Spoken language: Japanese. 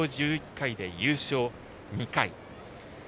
１１回で優勝２回。